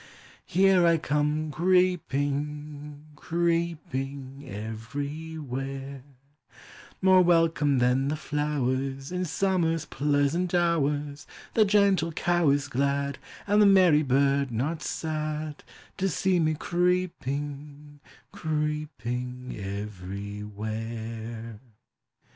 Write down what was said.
Here I come creeping, creeping everywhere; More welcome than the flowers In summer's pleasant hours; The gentle cow is glad, And the merry bird not sad, To see me creeping, creeping everywhere.